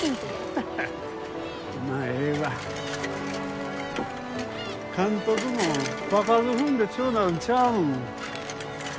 ハッハまあええわ監督も場数踏んで強うなるんちゃうん？